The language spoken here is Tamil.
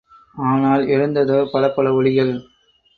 ஆனால் எழுந்ததோ பலப்பல ஒலிகள்.